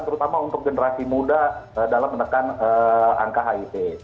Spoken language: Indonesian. terutama untuk generasi muda dalam menekan angka hiv